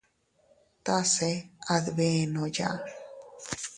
Tase a dbenoya.